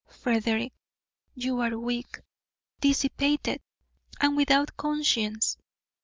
Frederick, you are weak, dissipated, and without conscience.